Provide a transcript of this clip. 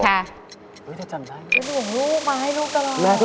เฮ้ยแต่จำได้